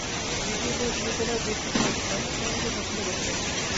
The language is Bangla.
বিবিএ পড়ে ছবি তোলায় বেশি সময় দিতাম—এটা অনেকেই পছন্দ করতেন না।